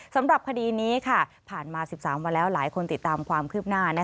สำหรับคดีนี้ผ่านมา๑๓วันแล้วหลายคนติดตามความคืบหน้า